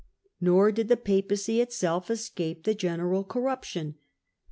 Nor did the Papacy itself escape the general corrup tion.